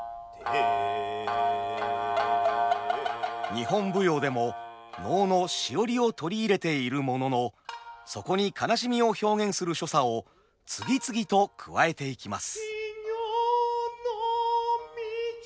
日本舞踊でも能の「シオリ」を取り入れているもののそこに哀しみを表現する所作を次々と加えていきます。